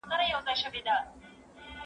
دا قلمان له هغو ښايسته دي؟